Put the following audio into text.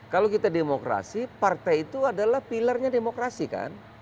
kalau kita demokrasi partai itu adalah pilarnya demokrasi kan